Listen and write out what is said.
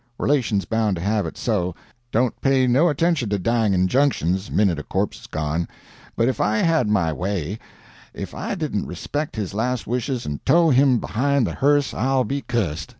Relations bound to have it so don't pay no attention to dying injunctions, minute a corpse's gone; but, if I had my way, if I didn't respect his last wishes and tow him behind the hearse I'll be cuss'd.